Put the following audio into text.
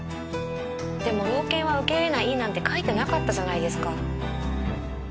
でも老犬は受け入れないなんて書いてなかったじゃないですか。